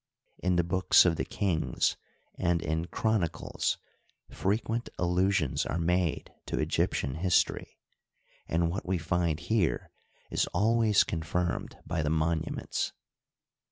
In the books of the Kings and in Chronicles frequent al lusions are made to Egyptian history, and what we find here is always confirmed by the monuments.